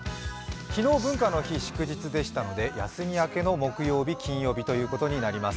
昨日文化の日、祝日でしたので休み明けの木曜日、金曜日ということになります。